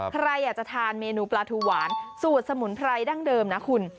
ใครอยากจะทานเมนูปลาทูหวานสูตรสมุนไพรดั้งเดิมนะคุณ